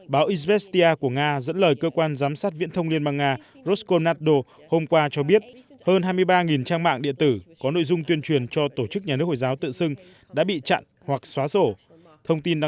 báo ivrestia của nga dẫn lời cơ quan giám sát viễn thông liên bang nga rosconado hôm qua cho biết hơn hai mươi ba trang mạng điện tử có nội dung tuyên truyền cho tổ chức nhà nước hồi giáo tự xưng đã bị chặn hoặc xóa sổ